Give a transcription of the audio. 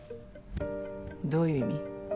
どういう意味？